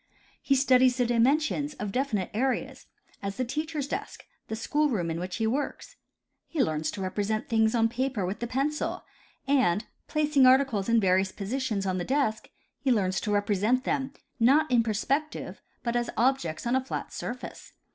He studies the dimensions of definite areas, as the teacher's desk, the school room in which he works. He learns to represent things on paper with the pencil, and, placing articles in various positions on the desk, he learns to represent them, not in per spective, but as objects on a flat surface.